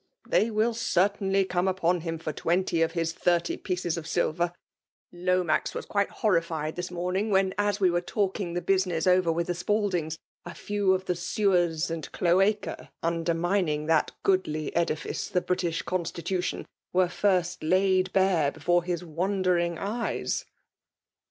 They will certainly come upon him for twenty ef ' his thirty pieces of silver ! Lomax ^as ^qutte liorrified this morning, when» as we were laUdng the business over wiih the Spaldings, a few of the sewers and cloaca undermining that goodly edifice the British constitution, were ftott laid bare before his wondering eyes